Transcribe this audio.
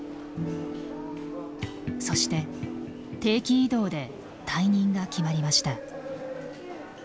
そして定期異動で退任が決まりました。